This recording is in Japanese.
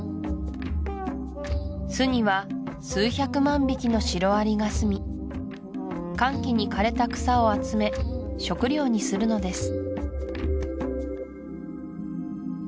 巣には数百万匹のシロアリがすみ乾季に枯れた草を集め食料にするのです